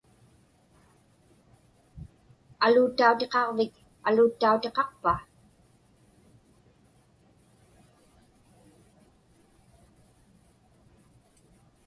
Aluuttautiqaġvik aluuttautiqaqpa?